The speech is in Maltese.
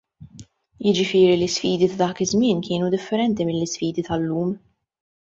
Jiġifieri l-isfidi ta' dak iż-żmien kienu differenti mill-isfidi tal-lum.